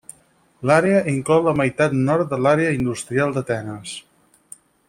L'àrea inclou la meitat nord de l'àrea industrial d'Atenes.